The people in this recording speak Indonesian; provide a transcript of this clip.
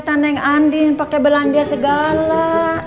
tandeng andi pake belanja segala